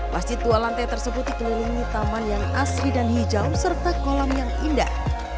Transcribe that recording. masjid dua lantai tersebut dikelilingi taman yang asri dan hijau serta kolam yang indah